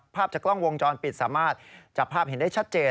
ภาพจากกล้องวงจรปิดสามารถจับภาพเห็นได้ชัดเจน